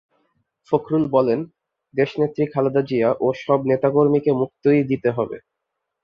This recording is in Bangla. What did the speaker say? ফখরুল বলেন, দেশনেত্রী খালেদা জিয়া ও সব নেতাকর্মীকে মুক্তি দিতে হবে।